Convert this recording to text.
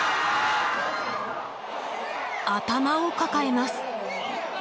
頭を抱えます。